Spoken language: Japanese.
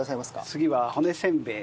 次は骨せんべい。